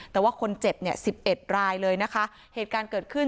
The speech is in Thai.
แต่ว่าคนเจ็บเนี่ยสิบเอ็ดรายเลยนะคะเหตุการณ์เกิดขึ้น